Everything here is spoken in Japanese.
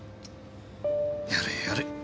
やれやれ。